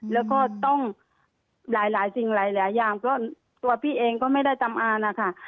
แล้วก็ต้องหลายสิ่งหลายอย่างก็ตัวพี่เองก็ไม่ได้ตำนานนะคะ